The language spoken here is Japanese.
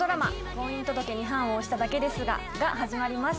「婚姻届に判を捺しただけですが」が始まります